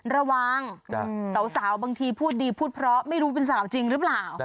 ระวังสาวบางทีพูดดีพูดเพราะไม่รู้เป็นสาวจริงหรือเปล่า